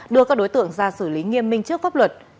đưa các đối tượng ra xử lý nghiêm minh trước pháp luật